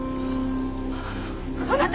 あなた！？